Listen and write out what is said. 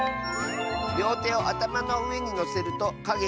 「りょうてをあたまのうえにのせるとかげ